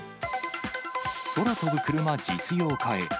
空飛ぶクルマ実用化へ。